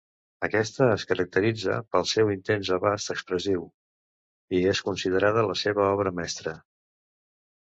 Aquesta es caracteritza pel seu intens abast expressiu i és considerada la seva obra mestra.